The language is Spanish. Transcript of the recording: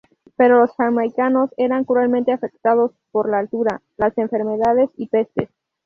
Pero los jamaicanos eran cruelmente afectados por la altura, las enfermedades y pestes.